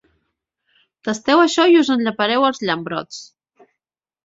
Tasteu això i us en llepareu els llambrots.